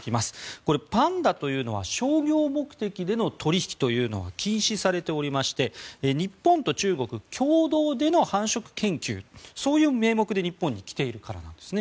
これ、パンダというのは商業目的での取引というのは禁止されておりまして日本と中国共同での繁殖研究という名目で日本に来ているからなんですね。